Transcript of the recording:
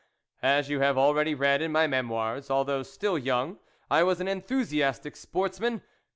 As xpu have already read in my Me moires" although still young, I was an enthusiastic sportsman.